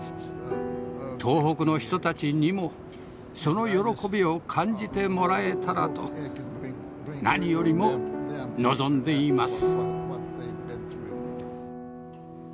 東北の人たちにもその喜びを感じてもらえたらと何よりも望んでいます。